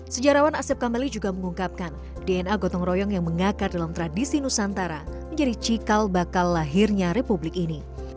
sejarawan asep kameli juga mengungkapkan dna gotong royong yang mengakar dalam tradisi nusantara menjadi cikal bakal lahirnya republik ini